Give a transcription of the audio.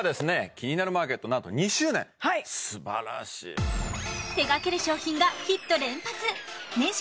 「キニナルマーケット」なんと２周年すばらしい手がける商品がヒット連発年商